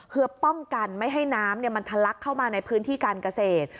เพื่อป้องกันไม่ให้น้ำมันทะลักเข้ามาในพื้นที่การเกษตร